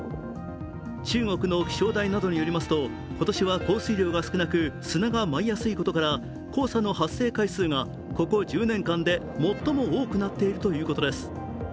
中国の気象台などによりますと今年は降水量が少なく砂が舞いやすいことから黄砂の発生回数がここ１０年間で最も多くなっているということです。